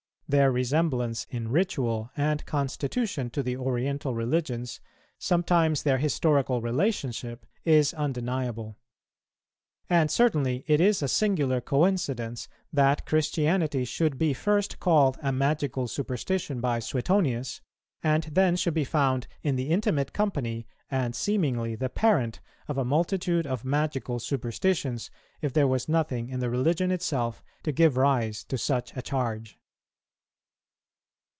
Their resemblance in ritual and constitution to the Oriental religions, sometimes their historical relationship, is undeniable; and certainly it is a singular coincidence, that Christianity should be first called a magical superstition by Suetonius, and then should be found in the intimate company, and seemingly the parent, of a multitude of magical superstitions, if there was nothing in the Religion itself to give rise to such a charge.